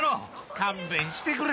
勘弁してくれ！